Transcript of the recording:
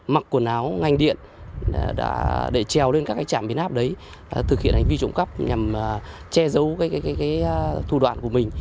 mặc quần áo ngành điện đã để treo lên các trạm biến áp đấy thực hiện hành vi trộm cắp nhằm che giấu thủ đoạn của mình